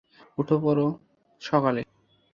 উঠে পড়ো সকলে!